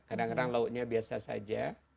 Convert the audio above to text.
kadang kadang lautnya biasa saja